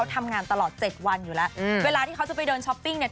ทำงานตลอดเจ็ดวันอยู่แล้วอืมเวลาที่เขาจะไปเดินช้อปปิ้งเนี่ย